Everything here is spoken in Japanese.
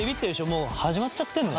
もう始まっちゃってんのよ。